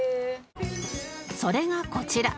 それがこちら